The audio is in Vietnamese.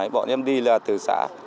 bọn em đi là từ xã